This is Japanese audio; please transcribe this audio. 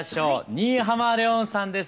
新浜レオンさんです。